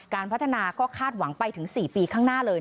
การพัฒนาก็คาดหวังไปถึง๔ปีข้างหน้าเลย